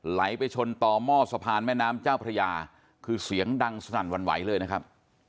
ไหลไปชนต่อหม้อสะพานแม่น้ำเจ้าพระยาคือเสียงดังสนั่นหวั่นไหวเลยนะครับ